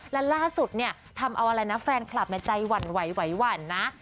และล่าสุดทำเอาอะไรนะแฟนคลับใจหวั่นนะ